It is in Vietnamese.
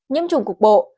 nhiễm trùng cục bộ